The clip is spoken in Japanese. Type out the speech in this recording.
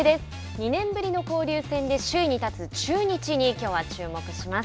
２年ぶりの交流戦で首位に立つ中日にきょうは注目します。